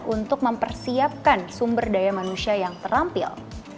untuk mempersiapkan sumber daya manusia yang terampil